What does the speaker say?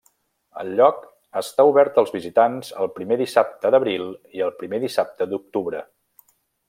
El lloc està obert als visitants el primer dissabte d'abril i el primer dissabte d'octubre.